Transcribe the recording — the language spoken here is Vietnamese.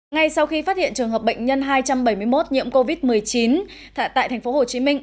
ngay sau khi phát hiện trường hợp bệnh nhân hai trăm bảy mươi một nhiễm covid một mươi chín tại tp hcm